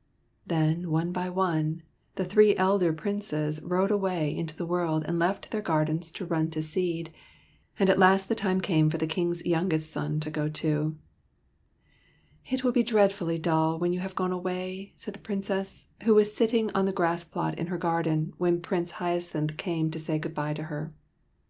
1/ Then, one by one, the three elder Princes rode away into the world and left their gardens to run to seed ; and at last the time came for the Kings youngest son to go too. 1/ '' It will be dreadfully dull when you have gone away,'' said the Princess, who was sitting on the grass plot in her garden when Prince Hyacinth came to say good bye to her.